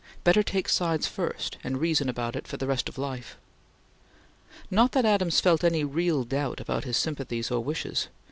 Better take sides first, and reason about it for the rest of life. Not that Adams felt any real doubt about his sympathies or wishes.